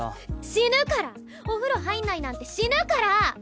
死ぬから！お風呂入んないなんて死ぬから！